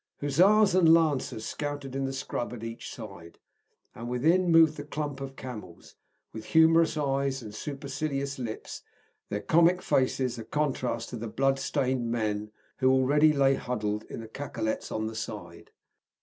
Hussars and Lancers scouted in the scrub at each side, and within moved the clump of camels, with humorous eyes and supercilious lips, their comic faces a contrast to the blood stained men who already lay huddled in the cacolets on either side.